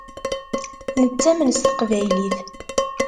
Nettamen s teqbaylit.